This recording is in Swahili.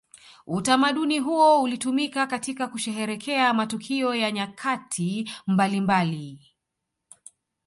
Utamaduni huo ulitumika katika kusherehekea matukio ya nyakati mbalimbali